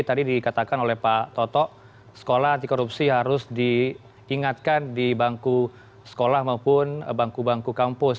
tadi dikatakan oleh pak toto sekolah anti korupsi harus diingatkan di bangku sekolah maupun bangku bangku kampus